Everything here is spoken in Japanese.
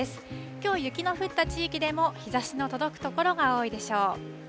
きょう、雪の降った地域でも、日ざしの届く所が多いでしょう。